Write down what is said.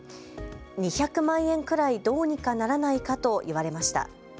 ２００万円くらい、どうにかならないかと言われました。